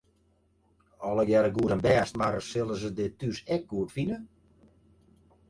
Allegearre goed en bêst, mar sille se dit thús ek goed fine?